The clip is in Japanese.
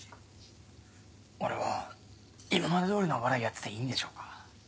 俺は今まで通りのお笑いやってていいんでしょうか？